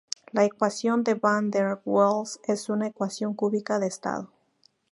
La ecuación de Van der Waals es una ecuación cúbica de estado.